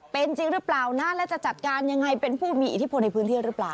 เป็นจริงหรือเปล่านะแล้วจะจัดการยังไงเป็นผู้มีอิทธิพลในพื้นที่หรือเปล่า